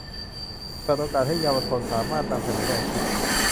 เปิดโอกาสให้เยาวชนสามารถนำเสนอแนวคิด